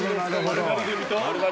丸刈り君と？